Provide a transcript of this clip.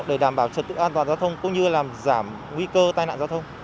để đảm bảo trật tự an toàn giao thông cũng như làm giảm nguy cơ tai nạn giao thông